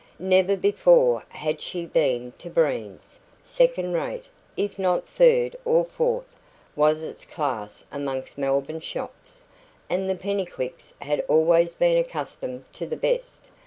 Never before had she been to "Breen's." Second rate, if not third or fourth, was its class amongst Melbourne shops, and the Pennycuicks had always been accustomed to the best.